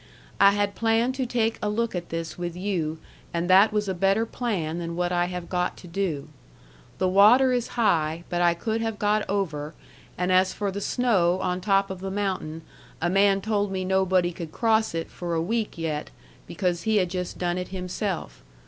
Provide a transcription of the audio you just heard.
I had planned to take a look at this with you and that was a better plan than what I have got to do. The water is high but I could have got over and as for the snow on top of the mountain a man told me nobody could cross it for a week yet, because he had just done it himself.